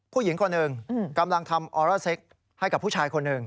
ผู้หญิงคนหนึ่งกำลังทำออร่าเซ็กให้กับผู้ชายคนหนึ่ง